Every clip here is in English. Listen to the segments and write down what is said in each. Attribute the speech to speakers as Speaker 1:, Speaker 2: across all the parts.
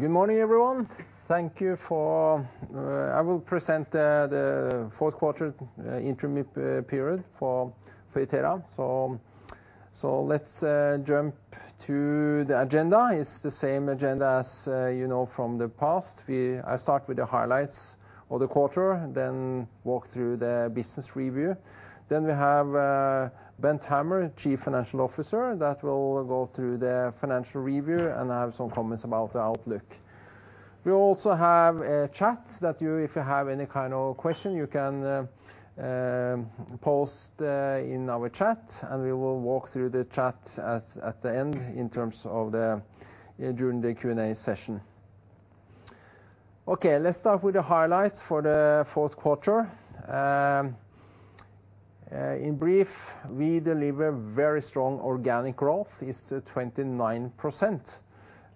Speaker 1: Good morning, everyone. Thank you for. I will present the fourth quarter interim period for Itera. Let's jump to the agenda. It's the same agenda as, you know, from the past. I start with the highlights of the quarter, then walk through the business review. We have Bent Hammer, Chief Financial Officer, that will go through the financial review and have some comments about the outlook. We also have a chat that you, if you have any kind of question, you can post in our chat, and we will walk through the chat during the Q&A session. Let's start with the highlights for the fourth quarter. In brief, we deliver very strong organic growth, is 29%.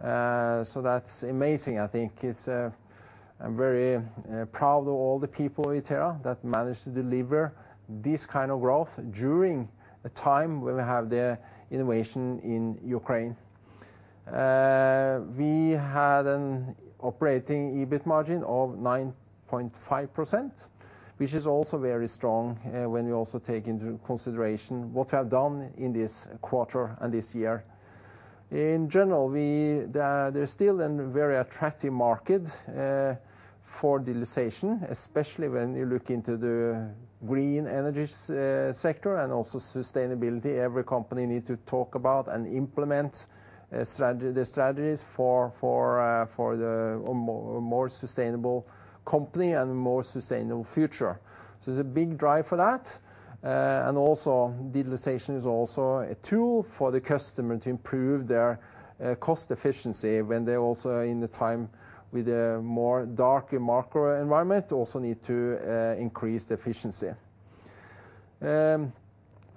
Speaker 1: That's amazing. I think it's, I'm very proud of all the people in Itera that managed to deliver this kind of growth during a time when we have the invasion in Ukraine. We had an operating EBIT margin of 9.5%, which is also very strong, when you also take into consideration what we have done in this quarter and this year. In general, there's still a very attractive market for digitalization, especially when you look into the green energies, sector and also sustainability. Every company need to talk about and implement strategy, the strategies for a more sustainable company and more sustainable future. There's a big drive for that. Digitalization is also a tool for the customer to improve their cost efficiency when they're also in the time with a more darker macro environment, also need to increase the efficiency.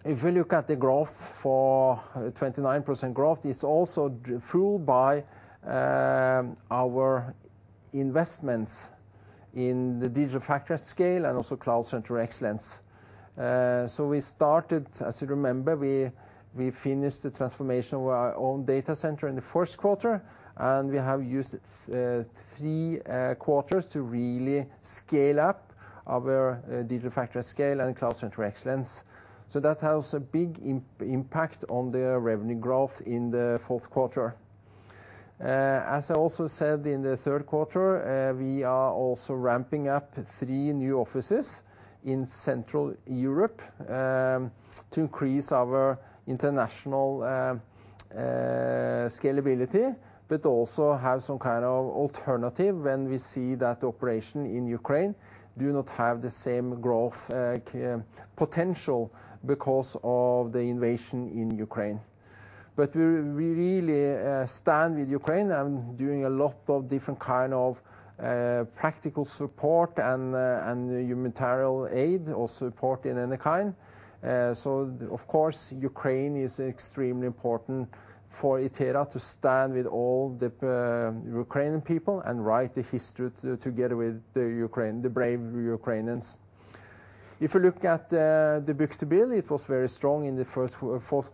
Speaker 1: If you look at the growth for 29% growth, it's also fueled by our investments in the Digital Factory at Scale and also Cloud Center of Excellence. We started, as you remember, we finished the transformation of our own data center in the first quarter, and we have used three quarters to really scale up our Digital Factory at Scale and Cloud Center of Excellence. That has a big impact on the revenue growth in the fourth quarter. As I also said in the third quarter, we are also ramping up three new offices in Central Europe to increase our international scalability, but also have some kind of alternative when we see that the operation in Ukraine do not have the same growth potential because of the invasion in Ukraine. We really stand with Ukraine and doing a lot of different kind of practical support and humanitarian aid or support in any kind. Of course, Ukraine is extremely important for Itera to stand with all the Ukrainian people and write the history together with the Ukraine, the brave Ukrainians. If you look at the book-to-bill, it was very strong in the fourth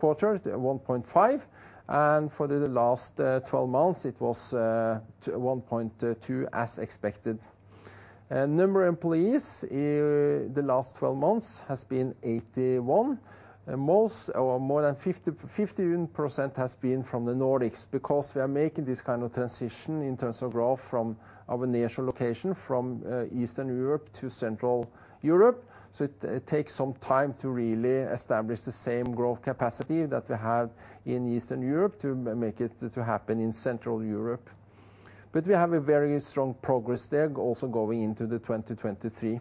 Speaker 1: quarter, 1.5, and for the last twelve months, it was 1.2 as expected. Number of employees in the last twelve months has been 81. Most or more than 50% has been from the Nordics because we are making this kind of transition in terms of growth from our initial location from Eastern Europe to Central Europe. It, it takes some time to really establish the same growth capacity that we have in Eastern Europe to make it to happen in Central Europe. We have a very strong progress there also going into 2023.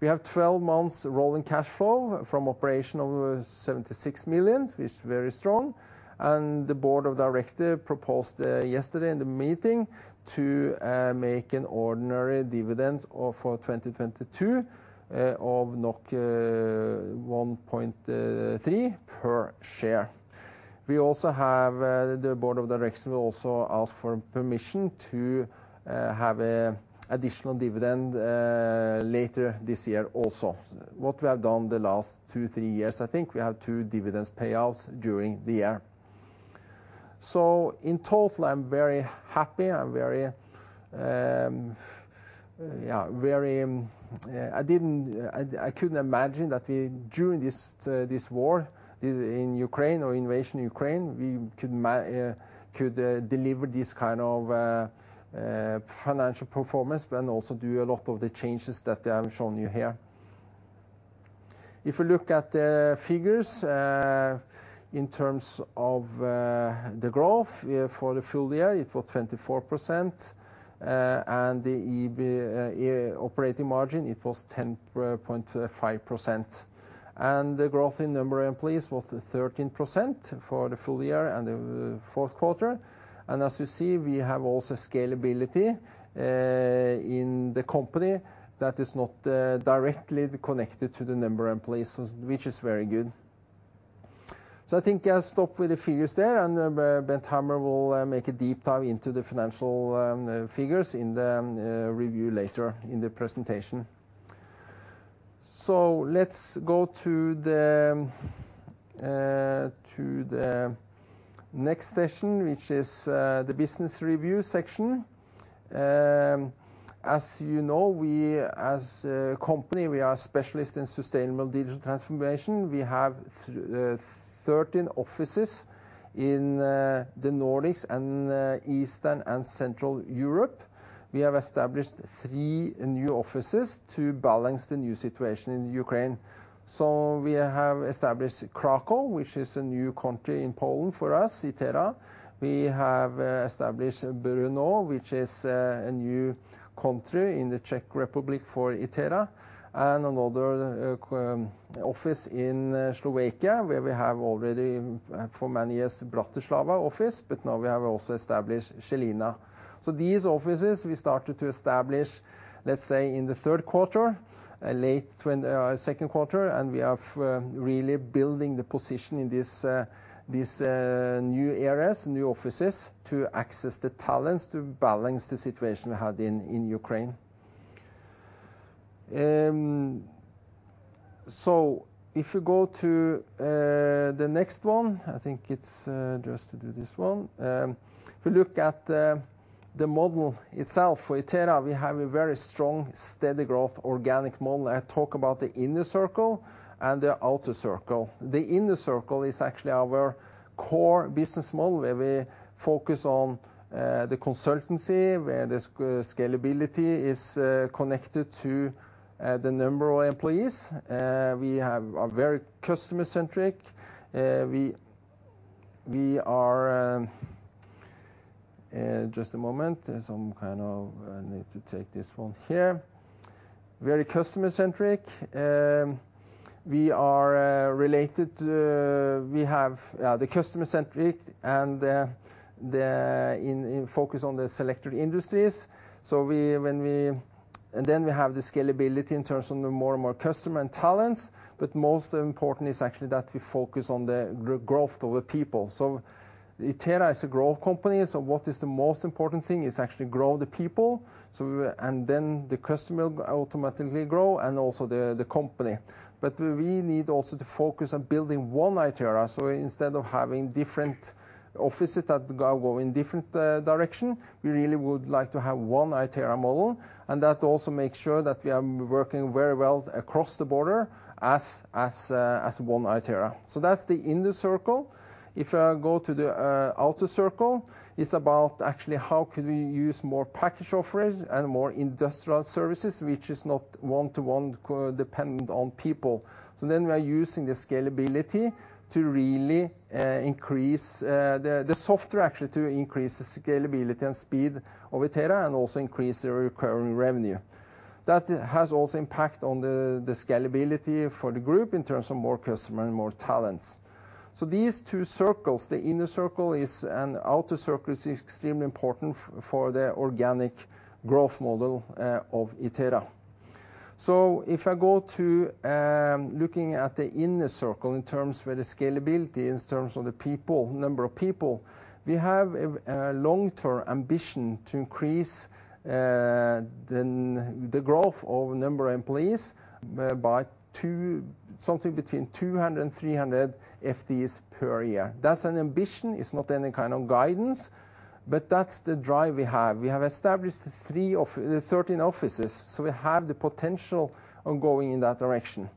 Speaker 1: We have 12 months rolling cash flow from operation of 76 million, which is very strong. The board of director proposed yesterday in the meeting to make an ordinary dividends of 2022 of NOK 1.3 per share. We also have, the board of directors will also ask for permission to have a additional dividend later this year also. What we have done the last two, three years, I think we have two dividends payouts during the year. In total, I'm very happy. I'm very, yeah, very, I didn't, I couldn't imagine that we, during this war, this in Ukraine or invasion Ukraine, we could deliver this kind of financial performance then also do a lot of the changes that I've shown you here. If you look at the figures, in terms of the growth, for the full-year, it was 24%. The EBIT operating margin, it was 10.5%. The growth in number of employees was 13% for the full-year and the fourth quarter. As you see, we have also scalability in the company that is not directly connected to the number of employees, which is very good. I think I'll stop with the figures there, and Bent Hammer will make a deep dive into the financial figures in the review later in the presentation. Let's go to the next session, which is the business review section. As you know, we as a company, we are specialists in sustainable digital transformation. We have 13 offices in the Nordics and Eastern and Central Europe. We have established three new offices to balance the new situation in Ukraine. We have established Kraków, which is a new country in Poland for us, Itera. We have established Brno, which is a new country in the Czech Republic for Itera, and another office in Slovakia, where we have already for many years Bratislava office, now we have also established Žilina. These offices we started to establish, let's say, in the third quarter, late second quarter, we have really building the position in these new areas, new offices to access the talents to balance the situation we had in Ukraine. If you go to the next one, I think it's just to do this one. If you look at the model itself for Itera, we have a very strong, steady growth organic model. I talk about the inner circle and the outer circle. The inner circle is actually our core business model, where we focus on the consultancy, where the scalability is connected to the number of employees. We are very customer-centric. We, we are. Just a moment. I need to take this one here. Very customer-centric. We have the customer-centric and the focus on the selected industries. We have the scalability in terms of the more and more customer and talents. Most important is actually that we focus on the growth of the people. Itera is a growth company, what is the most important thing is actually grow the people. And then the customer automatically grow and also the company. We need also to focus on building one Itera. Instead of having different offices that go in different direction, we really would like to have one Itera model. That also makes sure that we are working very well across the border as one Itera. That's the inner circle. If I go to the outer circle, it's about actually how can we use more package offerings and more industrial services, which is not one-to-one co- dependent on people. We are using the scalability to really increase the software actually to increase the scalability and speed of Itera and also increase the recurring revenue. That has also impact on the scalability for the group in terms of more customer and more talents. These two circles, the inner circle and outer circle is extremely important for the organic growth model of Itera. If I go to looking at the inner circle in terms with the scalability, in terms of the people, number of people, we have a long-term ambition to increase the growth of number of employees by something between 200 and 300 FTEs per year. That's an ambition. It's not any kind of guidance, but that's the drive we have. We have established 13 offices, so we have the potential of going in that direction.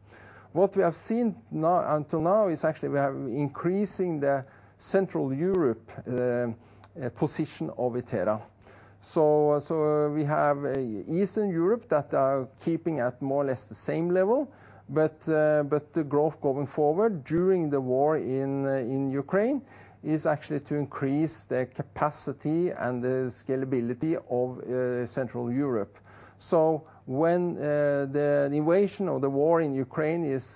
Speaker 1: What we have seen now, until now is actually we are increasing the Central Europe position of Itera. We have Eastern Europe that are keeping at more or less the same level, but the growth going forward during the war in Ukraine is actually to increase the capacity and the scalability of Central Europe. When the invasion or the war in Ukraine is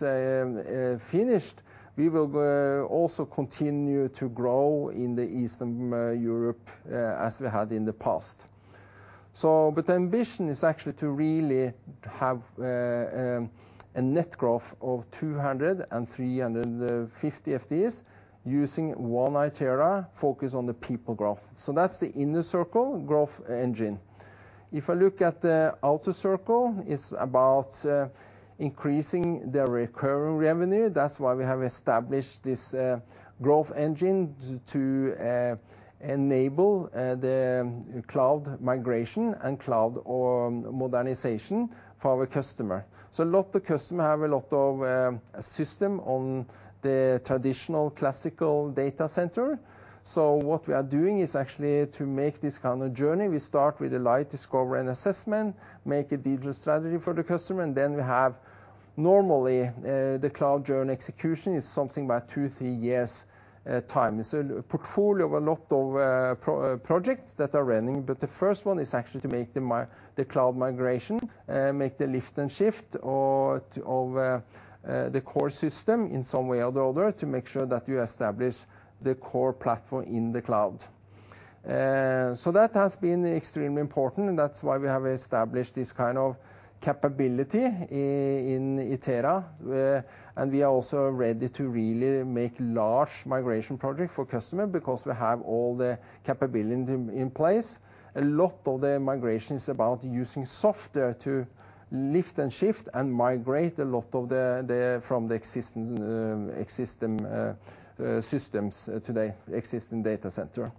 Speaker 1: finished, we will also continue to grow in Eastern Europe as we had in the past. But the ambition is actually to really have a net growth of 200-350 FTEs using one Itera focused on the people growth. That's the inner circle growth engine. If I look at the outer circle, it's about increasing the recurring revenue. That's why we have established this growth engine to enable the cloud migration and cloud modernization for our customer. A lot of customer have a lot of system on the traditional classical data center. What we are doing is actually to make this kind of journey, we start with a light discovery and assessment, make a digital strategy for the customer, and then we have normally the cloud journey execution is something about two, three years time. It's a portfolio of a lot of projects that are running, but the first one is actually to make the cloud migration, make the lift and shift of the core system in some way or the other to make sure that you establish the core platform in the cloud. That has been extremely important, and that's why we have established this kind of capability in Itera. We are also ready to really make large migration project for customer because we have all the capability in place. A lot of the migration is about using software to lift and shift and migrate a lot of the from the existing systems today, existing data center.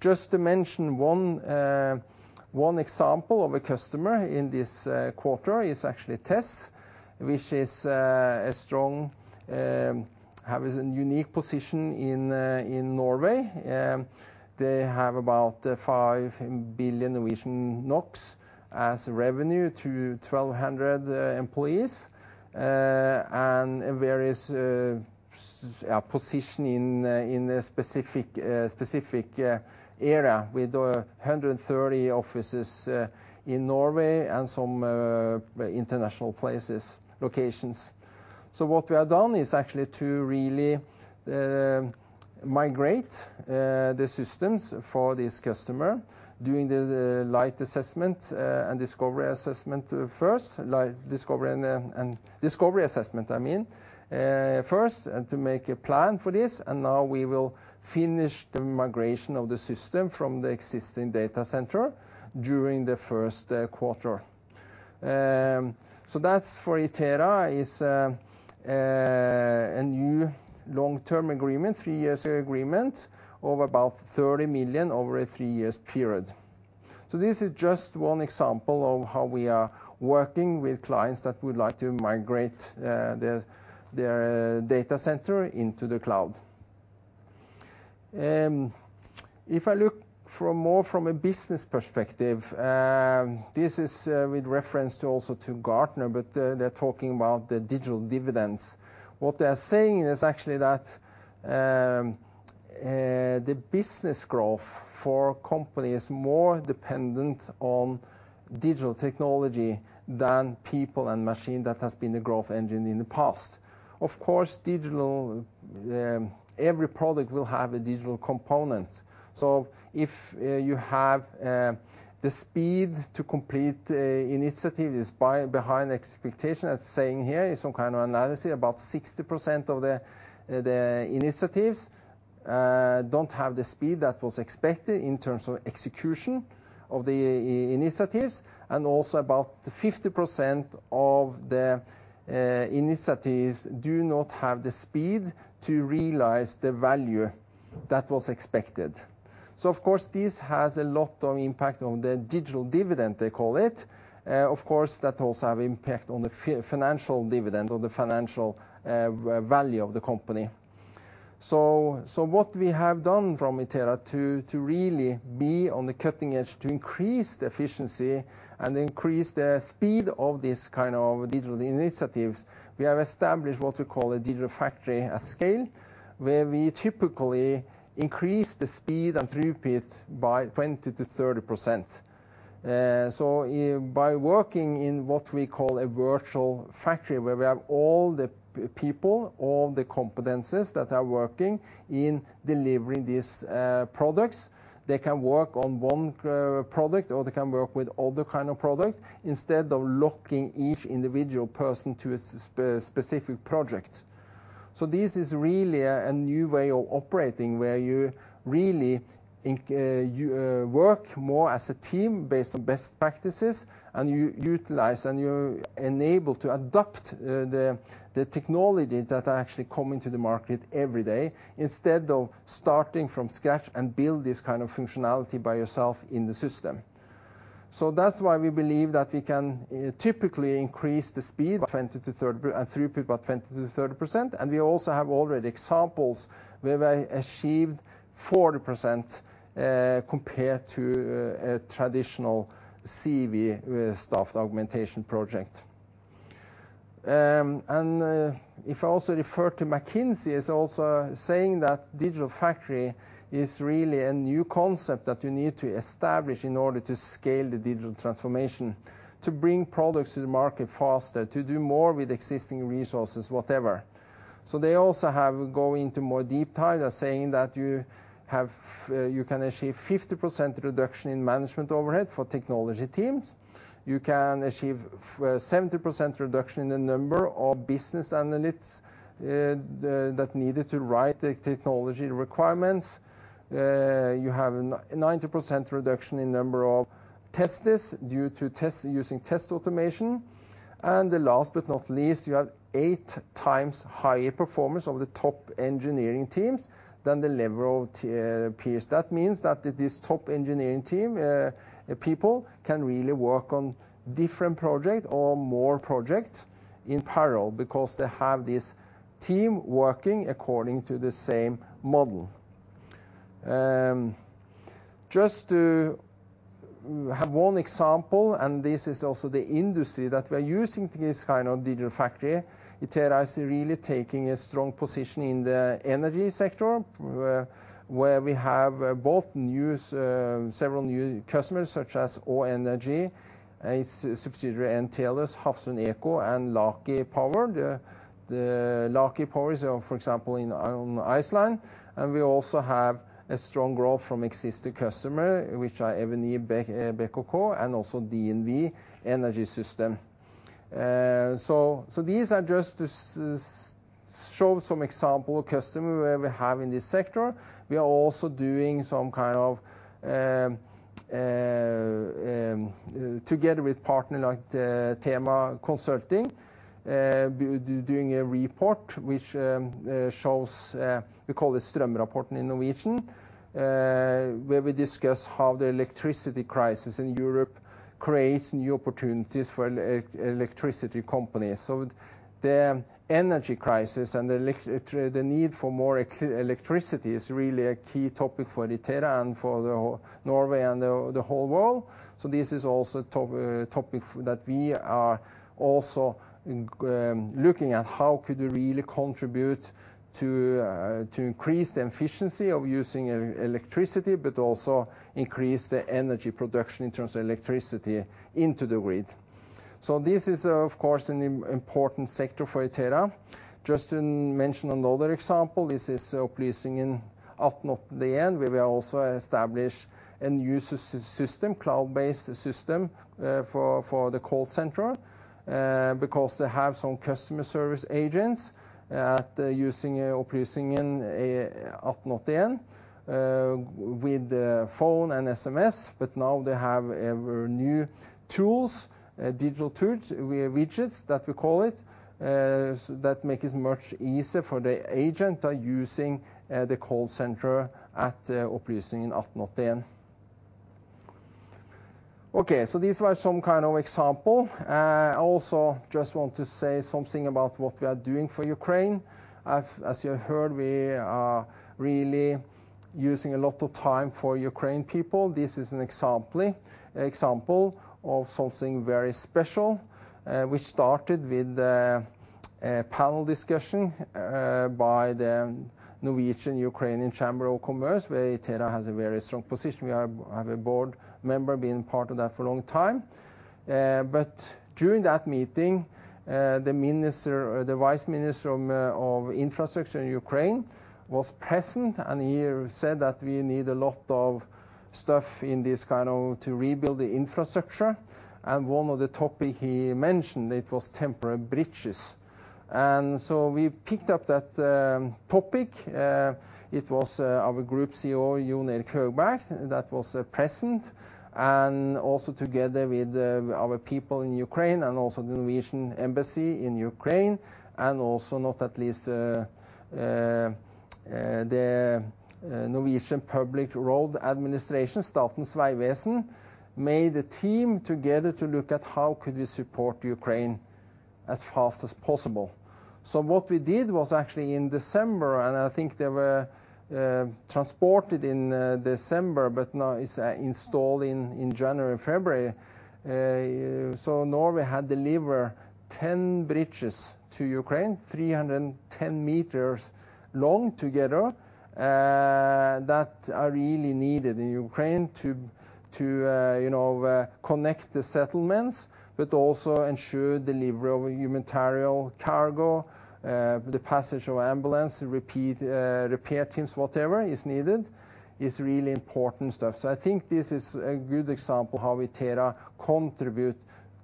Speaker 1: Just to mention one example of a customer in this quarter is actually TESS, which is a strong, has a unique position in Norway. They have about 5 billion Norwegian NOK as revenue to 1,200 employees and various position in a specific area with 130 offices in Norway and some international places, locations. What we have done is actually to really migrate the systems for this customer during the light assessment and discovery assessment first, like discovery and discovery assessment, I mean, first and to make a plan for this. Now we will finish the migration of the system from the existing data center during the first quarter. That's for Itera is a new long-term agreement, three years agreement, of about 30 million over a three years period. This is just one example of how we are working with clients that would like to migrate their data center into the cloud. If I look more from a business perspective, this is with reference to also to Gartner, they're talking about the digital dividends. What they're saying is actually that the business growth for company is more dependent on digital technology than people and machine that has been the growth engine in the past. Of course, digital, every product will have a digital component. If you have the speed to complete initiative is by behind expectation, as saying here is some kind of analysis, about 60% of the initiatives don't have the speed that was expected in terms of execution of the initiatives, and also about 50% of the initiatives do not have the speed to realize the value that was expected. Of course, this has a lot of impact on the digital dividend, they call it. Of course, that also have impact on the financial dividend or the financial value of the company. What we have done from Itera to really be on the cutting edge to increase the efficiency and increase the speed of this kind of digital initiatives, we have established what we call a Digital Factory at Scale, where we typically increase the speed and throughput by 20%-30%. By working in what we call a virtual factory, where we have all the people, all the competencies that are working in delivering these products, they can work on one product, or they can work with other kind of products instead of locking each individual person to a specific project. This is really a new way of operating, where you really work more as a team based on best practices, and you utilize, and you enable to adopt the technology that are actually coming to the market every day instead of starting from scratch and build this kind of functionality by yourself in the system. That's why we believe that we can typically increase the speed by 20-30, throughput by 20%-30%. We also have already examples where we achieved 40% compared to a traditional CV staff augmentation project. If I also refer to McKinsey is also saying that digital factory is really a new concept that you need to establish in order to scale the digital transformation, to bring products to the market faster, to do more with existing resources, whatever. They also have go into more deep dive. They're saying that you can achieve 50% reduction in management overhead for technology teams. You can achieve 70% reduction in number of business analysts that needed to write the technology requirements. You have 90% reduction in number of testers due to using test automation. The last but not least, you have eight times higher performance of the top engineering teams than the level of peers. That means that these top engineering team, people can really work on different project or more projects in parallel because they have this team working according to the same model. Just to have one example, this is also the industry that we are using this kind of digital factory, Itera is really taking a strong position in the energy sector, where we have both new, several new customers, such as Å Energi subsidiary and Tellus, Hafslund Eco and Laki Power. The Laki Power is, for which example, on Iceland. We also have a strong growth from existing customer, which are Eviny, BKK and also DNV Energy Systems. These are just to show some example of customer where we have in this sector. We are also doing some kind of, together with partner like the Thema Consulting, doing a report which shows, we call it Strømrapporten in Norwegian, where we discuss how the electricity crisis in Europe creates new opportunities for electricity companies. The energy crisis and the need for more electricity is really a key topic for Itera and for the whole Norway and the whole world. This is also topic that we are also in, looking at how could we really contribute to increase the efficiency of using electricity, but also increase the energy production in terms of electricity into the grid. This is of course, an important sector for Itera. Just to mention another example, this is Opplysningen 1881, where we also establish a new system, cloud-based system, for the call center, because they have some customer service agents using Opplysningen 1881, with the phone and SMS, but now they have new tools, digital tools, widgets that we call it, so that make it much easier for the agent are using the call center at Opplysningen 1881. Okay. These were some kind of example. I also just want to say something about what we are doing for Ukraine. As you heard, we are really using a lot of time for Ukraine people. This is an example of something very special, which started with a panel discussion by the Norwegian-Ukrainian Chamber of Commerce, where Itera has a very strong position. We have a board member been part of that for a long time. During that meeting, the minister, the Vice Minister of Infrastructure in Ukraine was present, and he said that we need a lot of stuff in this kind of to rebuild the infrastructure. One of the topic he mentioned, it was temporary bridges. We picked up that topic. It was our Group CEO, Jon Erik Kjølberg, that was present and also together with our people in Ukraine and also the Norwegian Embassy in Ukraine, also, not at least, the Norwegian Public Roads Administration, Statens vegvesen, made a team together to look at how could we support Ukraine as fast as possible. What we did was actually in December, and I think they were transported in December, but now it's installed in January and February. Norway had delivered 10 bridges to Ukraine, 310 meters long together, that are really needed in Ukraine to, you know, connect the settlements, but also ensure delivery of humanitarian cargo, the passage of ambulance, repair teams, whatever is needed. It's really important stuff. I think this is a good example how Itera contribute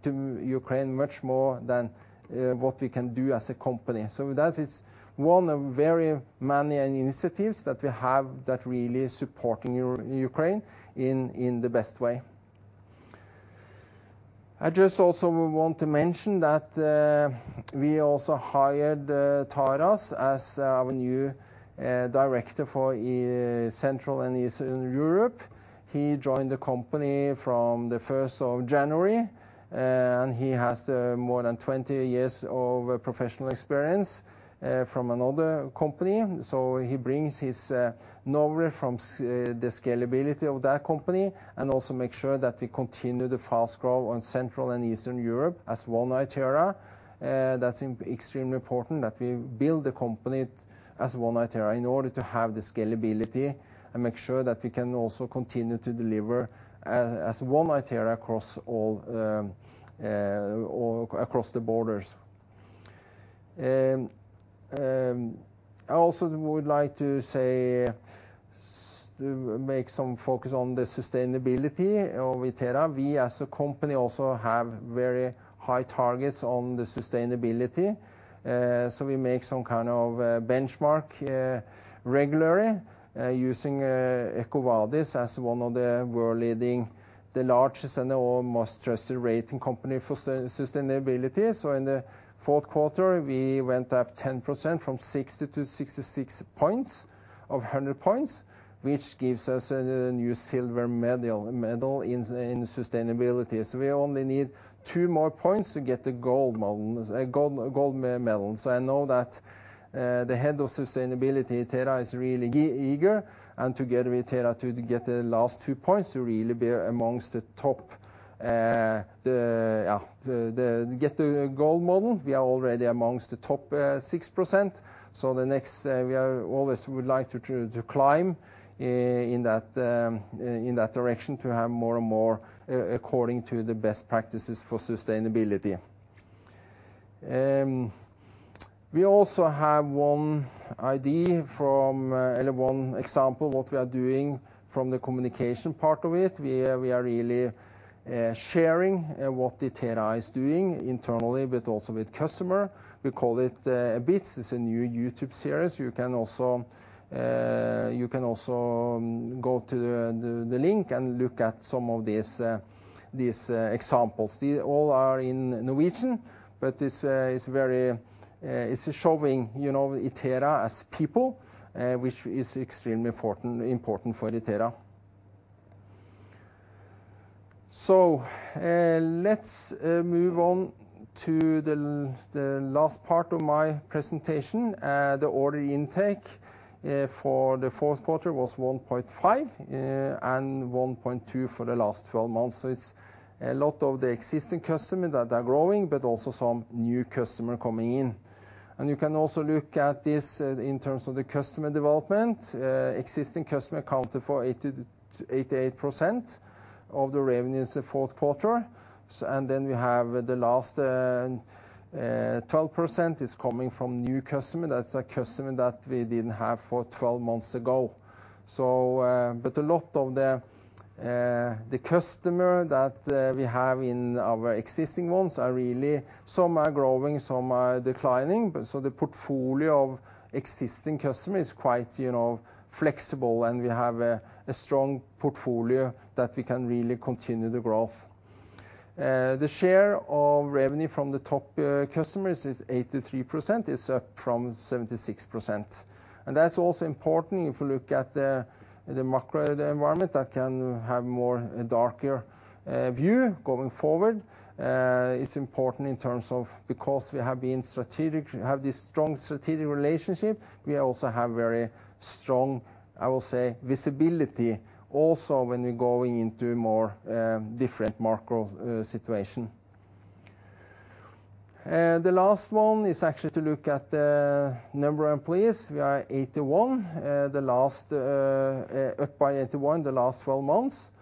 Speaker 1: to Ukraine much more than what we can do as a company. That is one of very many initiatives that we have that really supporting Ukraine in the best way. I just also want to mention that, we also hired Taras as our new director for Central and Eastern Europe. He joined the company from the first of January. He has more than 20 years of professional experience from another company. He brings his knowledge from the scalability of that company and also make sure that we continue the fast growth on Central and Eastern Europe as one Itera. That's extremely important that we build the company as one Itera in order to have the scalability and make sure that we can also continue to deliver as one Itera across all or across the borders. I also would like to make some focus on the sustainability of Itera. We as a company also have very high targets on the sustainability. We make some kind of benchmark regularly using EcoVadis as one of the world leading, the largest and the most trusted rating company for sustainability. In the fourth quarter, we went up 10% from 60 to 66 points of 100 points, which gives us a new silver medal in sustainability. We only need two more points to get the gold medal, gold medal. I know that the head of sustainability at Itera is really eager, and together with Itera to get the last two points to really be amongst the top get the gold medal. We are already amongst the top 6%. The next, we are always would like to climb in that direction to have more and more according to the best practices for sustainability. We also have one idea from or one example what we are doing from the communication part of it. We are really sharing what Itera is doing internally, but also with customer. We call it Bits. It's a new YouTube series. You can also go to the link and look at some of these examples. They all are in Norwegian, but it's very... It's showing, you know, Itera as people, which is extremely important for Itera. Let's move on to the last part of my presentation. The order intake for the fourth quarter was 1.5 and 1.2 for the last 12 months. It's a lot of the existing customer that are growing, but also some new customer coming in. You can also look at this in terms of the customer development. Existing customer accounted for 80%-88% of the revenues the fourth quarter. Then we have the last 12% is coming from new customer, that's a customer that we didn't have for 12 months ago. But a lot of the customer that we have in our existing ones are really some are growing, some are declining, but the portfolio of existing customer is quite, you know, flexible, and we have a strong portfolio that we can really continue the growth. The share of revenue from the top customers is 83%. It's up from 76%. That's also important if you look at the macro environment that can have more darker view going forward. It's important in terms of because we have this strong strategic relationship, we also have very strong, I will say, visibility also when we're going into more different macro situation. The last one is actually to look at the number of employees. We are 81 the last up by 81 the last 12 months, and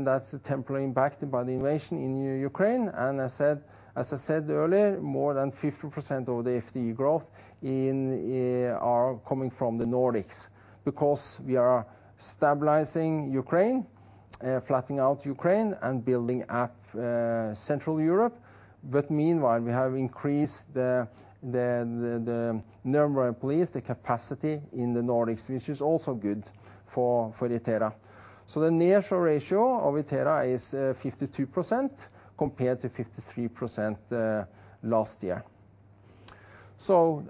Speaker 1: that's temporarily impacted by the invasion in Ukraine. I said, as I said earlier, more than 50% of the FTE growth in are coming from the Nordics because we are stabilizing Ukraine, flattening out Ukraine and building up Central Europe. Meanwhile, we have increased the number of employees, the capacity in the Nordics, which is also good for Itera. The nearshore ratio of Itera is 52% compared to 53% last year.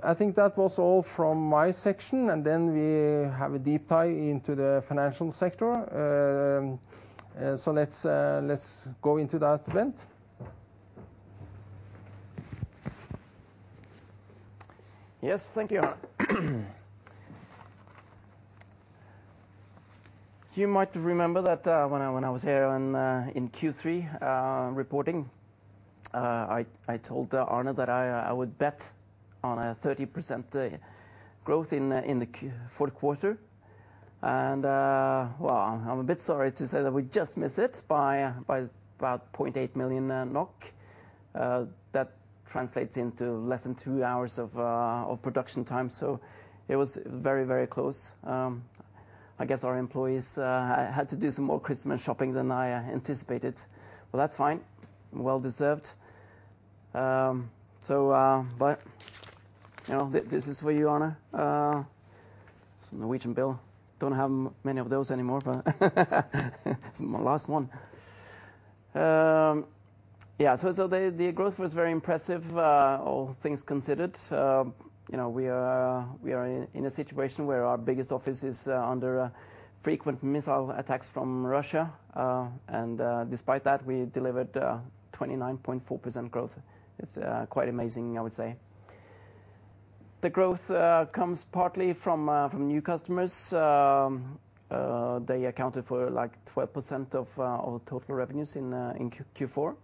Speaker 1: I think that was all from my section, and then we have a deep dive into the financial sector. Let's go into that, Bent.
Speaker 2: Yes. Thank you, Arne. You might remember that when I was here on in Q3 reporting, I told Arne that I would bet on a 30% growth in the fourth quarter. Well, I'm a bit sorry to say that we just missed it by about 0.8 million NOK. That translates into less than two hours of production time. It was very close. I guess our employees had to do some more Christmas shopping than I anticipated. That's fine, well deserved. You know, this is for you, Arne. It's a Norwegian bill. Don't have many of those anymore, but it's my last one. Yeah. The growth was very impressive, all things considered. you know, we are in a situation where our biggest office is under frequent missile attacks from Russia. Despite that, we delivered 29.4% growth. It's quite amazing, I would say. The growth comes partly from new customers. They accounted for like 12% of total revenues in Q4.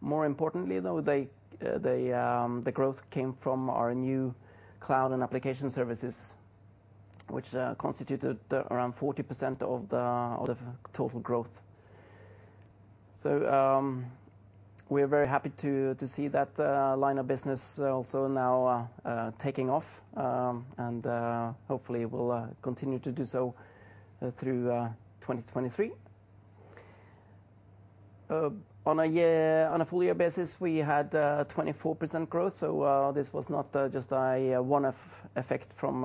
Speaker 2: More importantly though, the growth came from our new cloud and application services, which constituted around 40% of the total growth. We're very happy to see that line of business also now taking off, and hopefully will continue to do so through 2023. On a full-year basis, we had 24% growth. This was not just a one-off effect from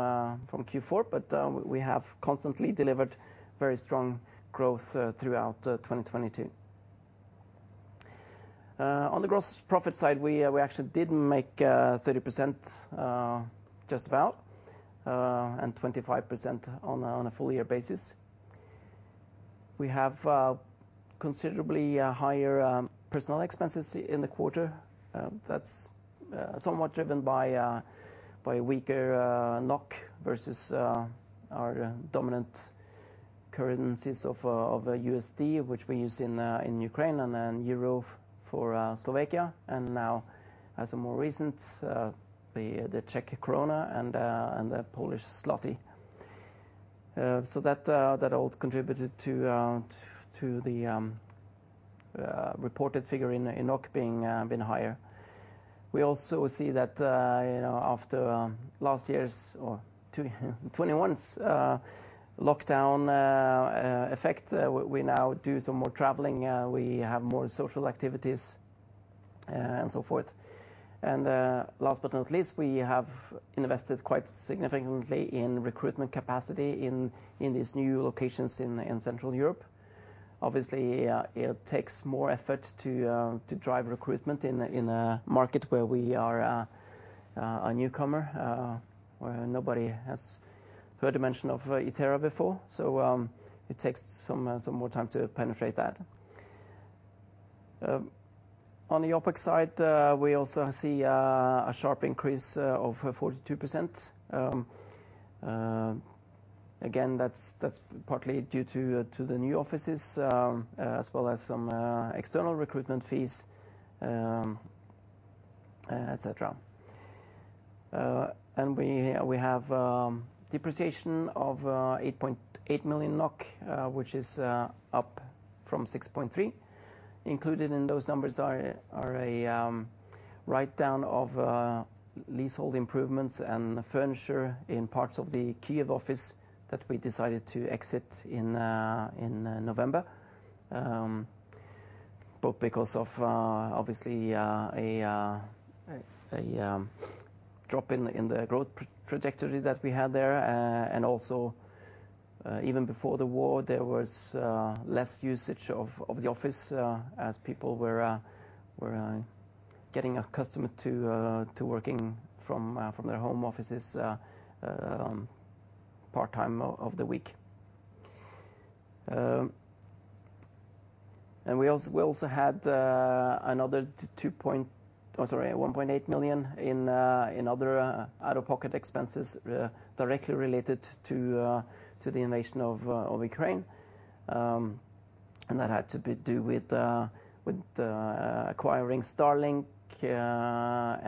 Speaker 2: Q4, but we have constantly delivered very strong growth throughout 2022. On the gross profit side, we actually did make 30% just about and 25% on a full-year basis. We have considerably higher personal expenses in the quarter. That's somewhat driven by weaker NOK versus our dominant currencies of USD, which we use in Ukraine and then EUR for Slovakia, and now as a more recent, the CZK and the PLN. That all contributed to to the reported figure in NOK being higher. We also see that, you know, after last year's or 2021's lockdown effect, we now do some more traveling, we have more social activities, and so forth. Last but not least, we have invested quite significantly in recruitment capacity in these new locations in Central Europe. Obviously, it takes more effort to drive recruitment in a market where we are a newcomer, where nobody has heard mention of Itera before. It takes some more time to penetrate that. On the OpEx side, we also see a sharp increase of 42%. Again, that's partly due to the new offices, as well as some external recruitment fees, et cetera. We have depreciation of 8.8 million NOK, which is up from 6.3 million. Included in those numbers are a write-down of leasehold improvements and furniture in parts of the Kyiv office that we decided to exit in November. Both because of obviously a drop in the growth trajectory that we had there. Also, even before the war, there was less usage of the office as people were getting accustomed to working from their home offices part-time of the week. We also had another two point... Sorry, 1.8 million in other out-of-pocket expenses directly related to the invasion of Ukraine. That had to be do with acquiring Starlink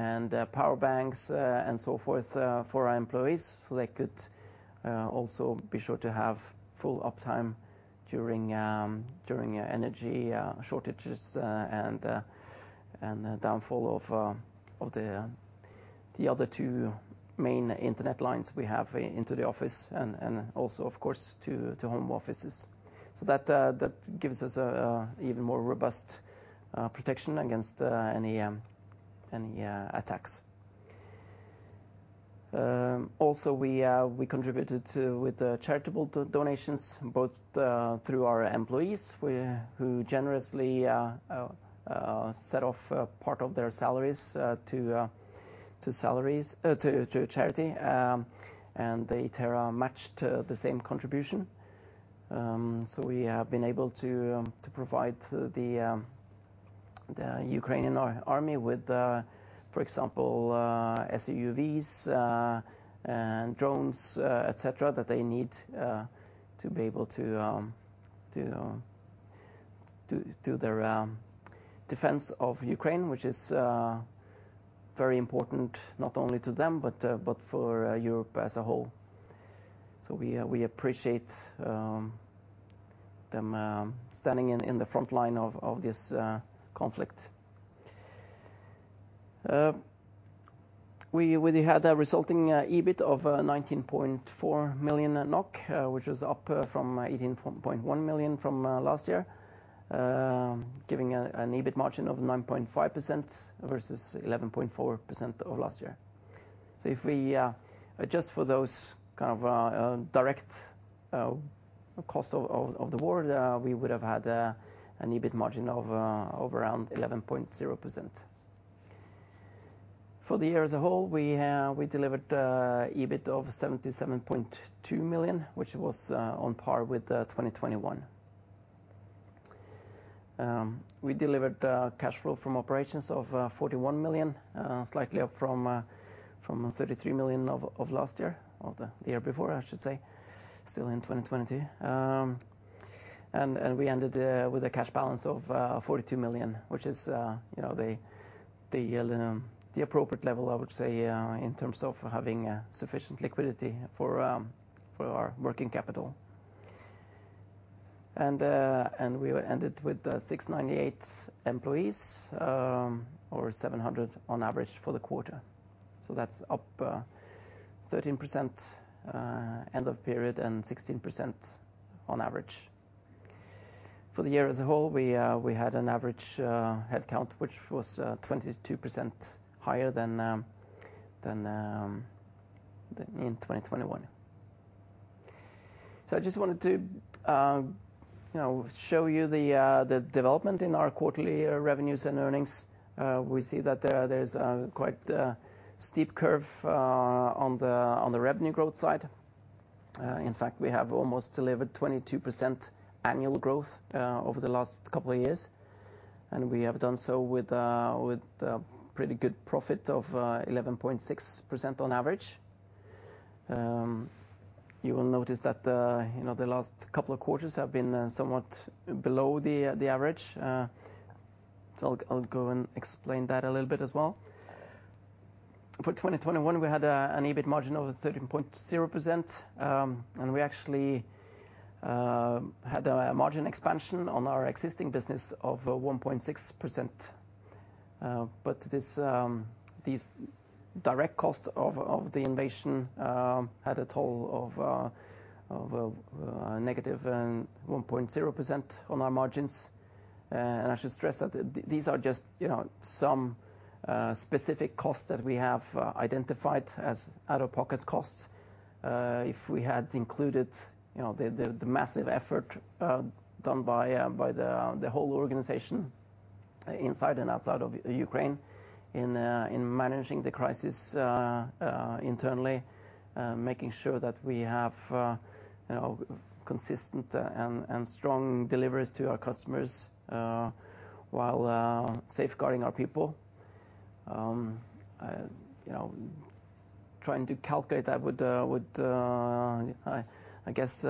Speaker 2: and power banks and so forth for our employees, so they could also be sure to have full uptime during energy shortages and the downfall of the other two main internet lines we have into the office and also, of course, to home offices. That gives us a even more robust protection against any attacks. Also, we contributed to with the charitable donations, both through our employees, who generously set off a part of their salaries to charity. The Itera matched the same contribution. We have been able to provide the Ukrainian army with, for example, SUVs and drones, et cetera, that they need to be able to their defense of Ukraine, which is very important not only to them, but for Europe as a whole. We appreciate them standing in the front line of this conflict. We had a resulting EBIT of 19.4 million NOK, which is up from 18.1 million from last year. Giving an EBIT margin of 9.5% versus 11.4% of last year. If we adjust for those kind of direct cost of the war, we would have had an EBIT margin of around 11.0%. For the year as a whole, we delivered EBIT of 77.2 million, which was on par with 2021. We delivered cash flow from operations of 41 million, slightly up from 33 million of last year, of the year before, I should say. Still in 2020. We ended with a cash balance of 42 million, which is, you know, the appropriate level, I would say, in terms of having sufficient liquidity for our working capital. We were ended with 698 employees, or 700 on average for the quarter. That's up 13% end of period, and 16% on average. For the year as a whole, we had an average headcount, which was 22% higher than in 2021. I just wanted to, you know, show you the development in our quarterly revenues and earnings. We see that there's a quite steep curve on the revenue growth side. In fact, we have almost delivered 22% annual growth over the last couple of years. We have done so with a pretty good profit of 11.6% on average. You will notice that, you know, the last couple of quarters have been somewhat below the average. I'll go and explain that a little bit as well. For 2021, we had an EBIT margin of 13.0%, we actually had a margin expansion on our existing business of 1.6%. But this direct cost of the invasion had a total of negative and 1.0% on our margins. I should stress that these are just, you know, some specific costs that we have identified as out-of-pocket costs. If we had included, you know, the massive effort done by the whole organization inside and outside of Ukraine in managing the crisis internally, making sure that we have, you know, consistent and strong deliveries to our customers while safeguarding our people. You know, trying to calculate that would I guess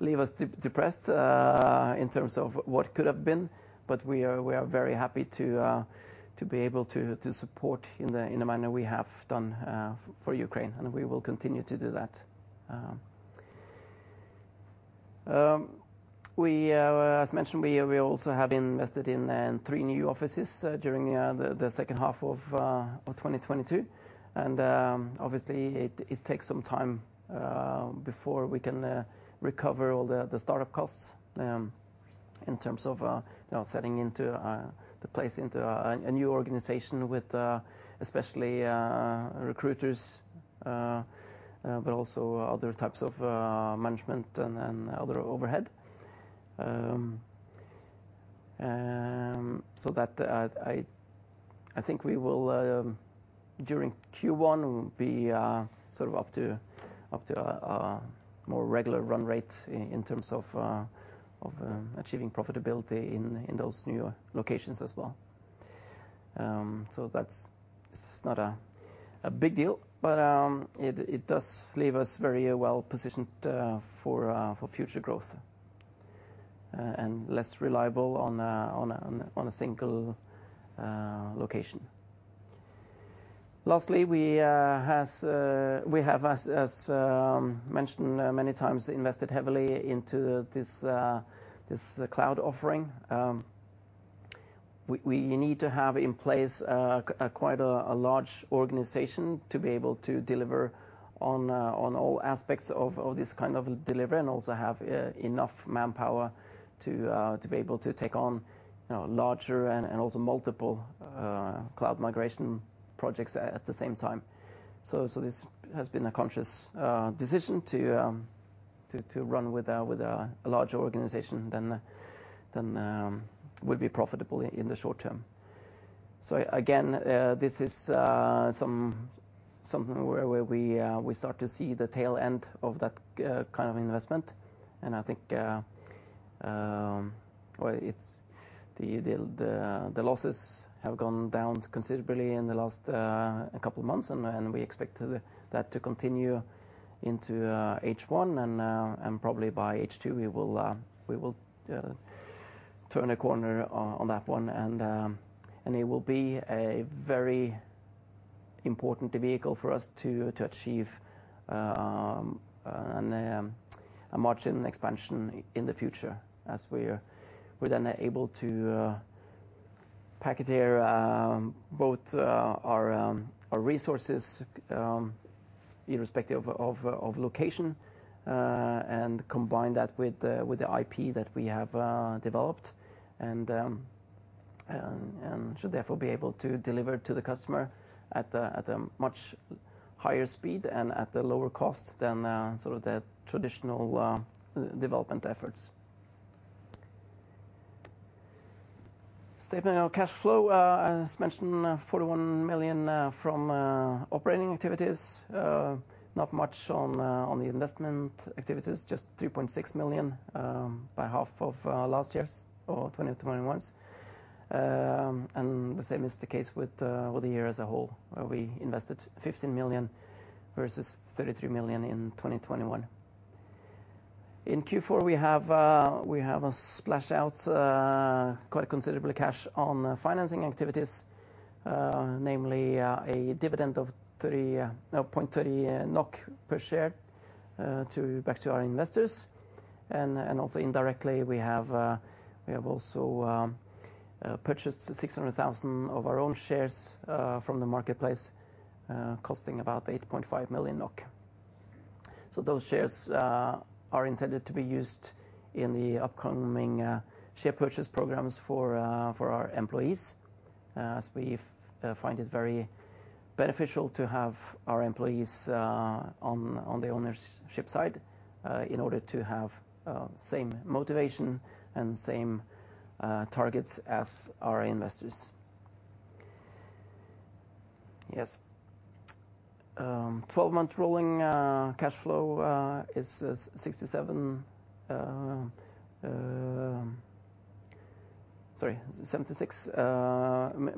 Speaker 2: leave us depressed in terms of what could have been. We are very happy to be able to support in the manner we have done for Ukraine, and we will continue to do that. We as mentioned, we also have invested in three new offices during the second half of 2022. Obviously it takes some time before we can recover all the startup costs in terms of, you know, settling into the place into a new organization with especially recruiters, but also other types of management and other overhead. That I think we will during Q1 be sort of up to a more regular run rate in terms of achieving profitability in those new locations as well. That's just not a big deal, but it does leave us very well positioned for future growth and less reliable on a single location. Lastly, we have as mentioned many times invested heavily into this cloud offering. We need to have in place quite a large organization to be able to deliver on all aspects of this kind of delivery and also have enough manpower to be able to take on, you know, larger and also multiple cloud migration projects at the same time. This has been a conscious decision to run with a large organization than would be profitable in the short term. Again, this is something where we start to see the tail end of that kind of investment. I think the losses have gone down considerably in the last couple of months, and we expect that to continue into H1, and probably by H2, we will turn a corner on that one. It will be a very important vehicle for us to achieve a margin expansion in the future as we're then able to packetier both our resources irrespective of location and combine that with the IP that we have developed and should therefore be able to deliver to the customer at a much higher speed and at a lower cost than sort of the traditional development efforts. Statement of cash flow, as mentioned, 41 million from operating activities. Not much on the investment activities, just 3.6 million, about half of last year's or 2020 to 2021's. The same is the case with the year as a whole, where we invested 15 million versus 33 million in 2021. In Q4, we have splashed out quite considerably cash on financing activities, namely a dividend of 0.30 per share to back to our investors. Also indirectly, we have also purchased 600,000 of our own shares from the marketplace, costing about 8.5 million NOK. Those shares are intended to be used in the upcoming share purchase programs for our employees, as we find it very beneficial to have our employees on the ownership side, in order to have same motivation and same targets as our investors. Yes. 12-month rolling cash flow is NOK 76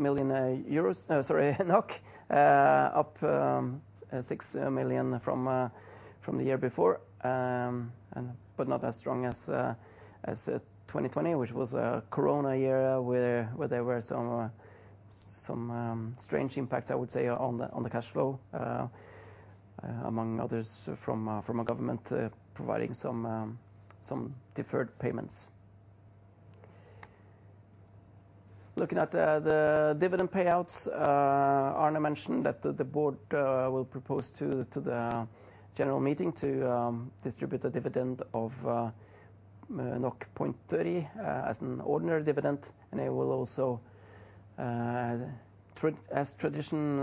Speaker 2: million, up 6 million from the year before, and but not as strong as 2020, which was a corona year where there were some strange impacts, I would say on the cash flow. Among others from a government providing some deferred payments. Looking at the dividend payouts, Arne mentioned that the board will propose to the general meeting to distribute a dividend of 0.3 as an ordinary dividend. It will also, as tradition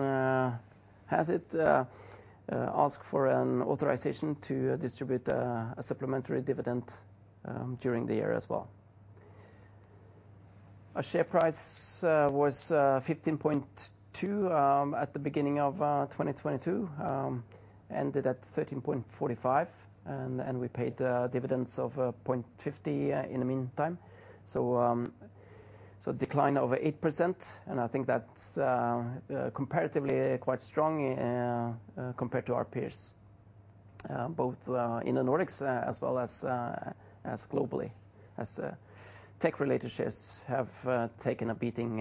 Speaker 2: has it, ask for an authorization to distribute a supplementary dividend during the year as well. Our share price was 15.2 at the beginning of 2022. Ended at 13.45 and we paid dividends of 0.50 in the meantime. Decline of 8% and I think that's comparatively quite strong compared to our peers, both in the Nordics as well as globally as tech related shares have taken a beating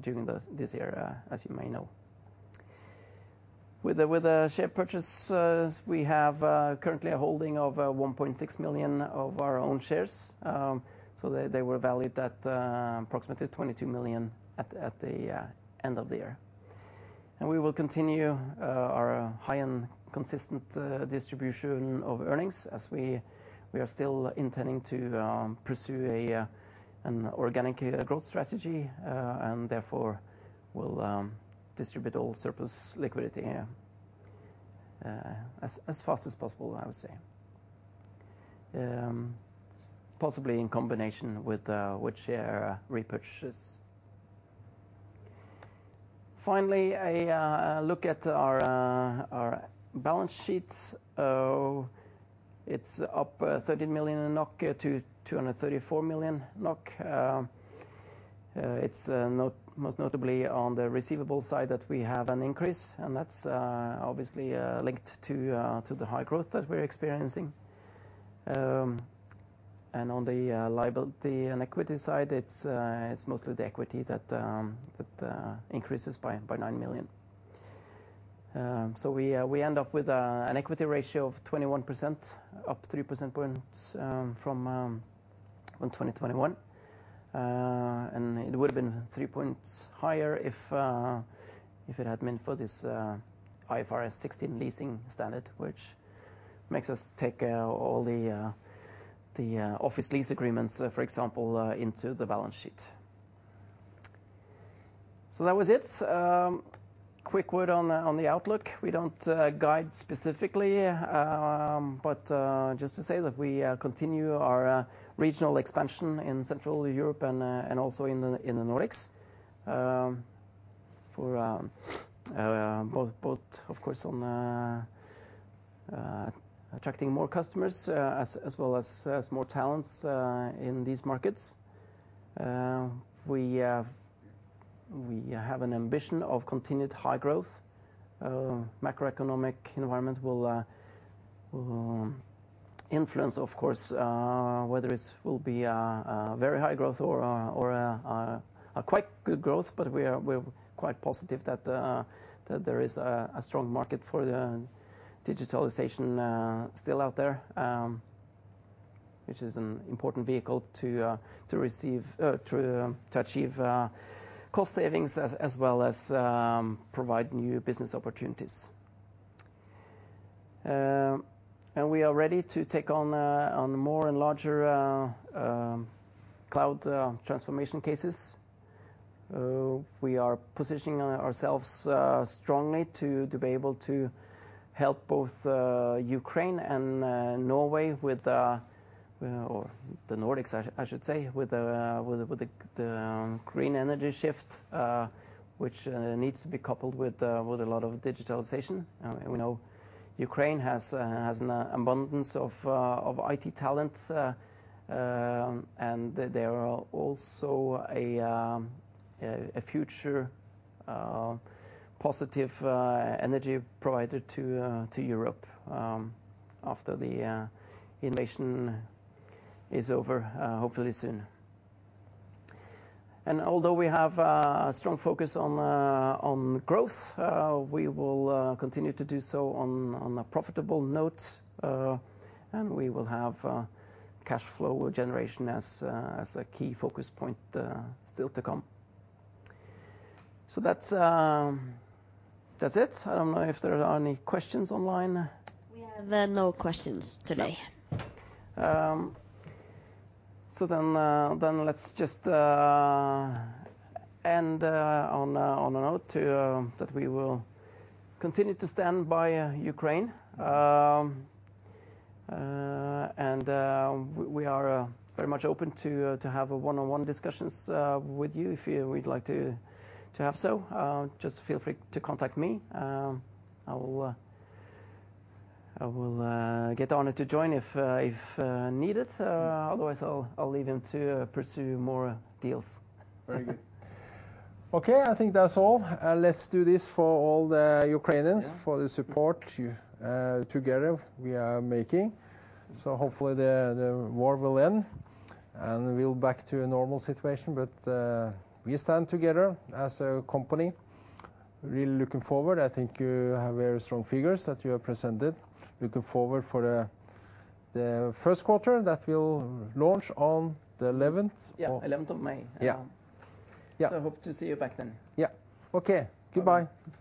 Speaker 2: during this year, as you may know. With the share purchases, we have currently a holding of 1.6 million of our own shares. They were valued at approximately 22 million at the end of the year. We will continue our high-end consistent distribution of earnings as we are still intending to pursue an organic growth strategy. Therefore will distribute all surplus liquidity as fast as possible, I would say. Possibly in combination with share repurchases. Finally, a look at our balance sheets. It's up 30 million NOK to 234 million NOK. It's most notably on the receivable side that we have an increase and that's obviously linked to the high growth that we're experiencing. On the liability and equity side, it's mostly the equity that increases by 9 million. We end up with an equity ratio of 21%, up 3 percent points from on 2021. It would have been three points higher if it had been for this IFRS 16 leasing standard which makes us take all the office lease agreements, for example, into the balance sheet. That was it. Quick word on the outlook. We don't guide specifically. Just to say that we continue our regional expansion in Central Europe and also in the Nordics. For both of course on attracting more customers as well as more talents in these markets. We have an ambition of continued high growth. Macroeconomic environment will influence of course, whether it's will be a very high growth or a quite good growth. We're quite positive that there is a strong market for the digitalization still out there, which is an important vehicle to achieve cost savings as well as provide new business opportunities. We are ready to take on more and larger cloud transformation cases. We are positioning ourselves strongly to be able to help both Ukraine and Norway with or the Nordics I should say, with the green energy shift, which needs to be coupled with a lot of digitalization. We know Ukraine has an abundance of IT talent, and they are also a future positive energy provider to Europe after the invasion is over, hopefully soon. Although we have a strong focus on growth, we will continue to do so on a profitable note. We will have cashflow generation as a key focus point still to come. That's it. I don't know if there are any questions online. We have no questions today. No. Let's just end on a note that we will continue to stand by Ukraine. We are very much open to have a one-on-one discussions with you if you would like to have so. Just feel free to contact me. I will get Arne to join if needed. I'll leave him to pursue more deals.
Speaker 1: Very good. Okay, I think that's all. Let's do this for all the Ukrainians...
Speaker 2: Yeah
Speaker 1: ...for the support you, together we are making. Hopefully the war will end and we'll back to a normal situation. We stand together as a company. Really looking forward. I think you have very strong figures that you have presented. Looking forward for the first quarter that we'll launch on the 11th of May.
Speaker 2: Yeah, eleventh of May.
Speaker 1: Yeah. Yeah.
Speaker 2: Hope to see you back then.
Speaker 1: Yeah. Okay. Goodbye.